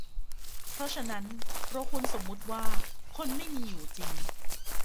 เพราะฉะนั้น เราควรสมมติว่า คนไม่มีอยู่จริง